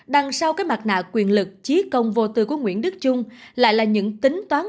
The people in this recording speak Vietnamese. đằng sau các mặt nạ quyền lực trí công vô tư của nguyễn đức trung lại là những tính toán